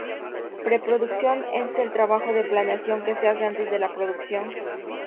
Pre-produccion es el trabajo de planeación que se hace antes de la producción